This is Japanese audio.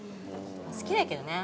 好きだけどね。